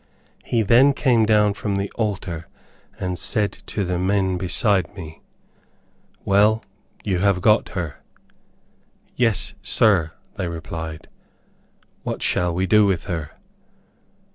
He then came down from the altar, and said to the men beside me, "Well, you have got her." "Yes Sir," they replied, "what shall we do with her?"